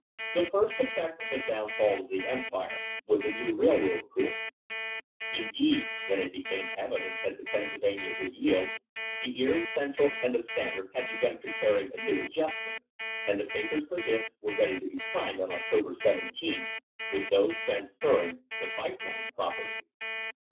The first effect of the downfall of the Empire was a new railroad pool. Indeed when it became evident that the Penn sylvania would yield, the Erie, Central and the Standard had begun preparing a new adjustment, and the papers for this were ready to be signed on October 17, with those trans ferring the pipe line property.